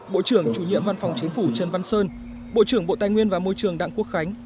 bộ trưởng chủ nhiệm văn phòng chính phủ trần văn sơn bộ trưởng bộ tài nguyên và môi trường đảng quốc khánh